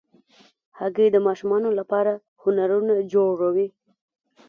هګۍ د ماشومانو لپاره هنرونه جوړوي.